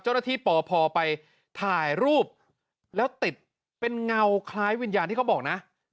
เจ้านักฐีปไปถ่ายรูปแล้วติดเป็นเหงาคลายวิญญาณที่เขาบอกนะ